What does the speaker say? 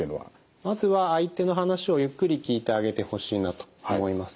まずは相手の話をゆっくり聞いてあげてほしいなと思います。